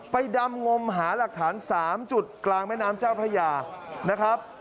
ดำงมหาหลักฐาน๓จุดกลางแม่น้ำเจ้าพระยานะครับ